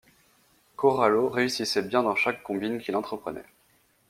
Corallo réussissait bien dans chaque combines qu'il entreprenait.